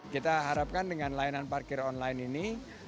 kita harapkan dengan layanan parkir online ini